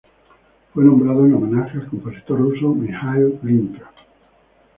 Fue nombrado en homenaje al compositor ruso Mijaíl Glinka.